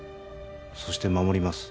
そして守ります